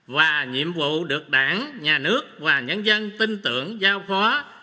và nhiệm vụ được đảng nhà nước và nhân dân tin tưởng giao phó